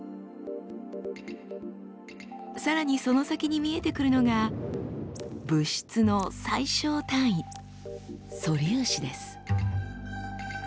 さらにその先に見えてくるのが物質の最小単位素粒子です。